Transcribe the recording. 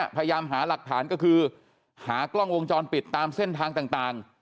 พยายามหาหลักฐานก็คือหากล้องวงจรปิดตามเส้นทางต่าง